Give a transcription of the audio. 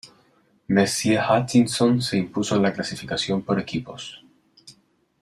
Mercier-Hutchinson se impuso en la clasificación por equipos.